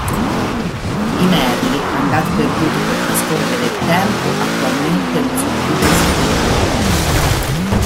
I merli, andati perduti col trascorrere del tempo, attualmente non sono più visibili.